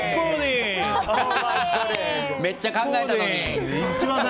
めっちゃ考えたのに。